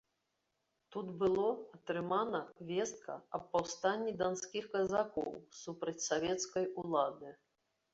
Тут было атрымана вестка аб паўстанні данскіх казакоў супраць савецкай улады.